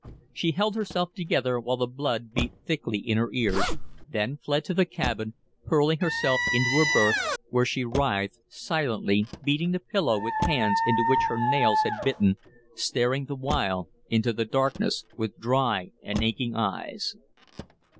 She held herself together while the blood beat thickly in her ears, then fled to the cabin, hurling herself into her berth, where she writhed silently, beating the pillow with hands into which her nails had bitten, staring the while into the darkness with dry and aching eyes.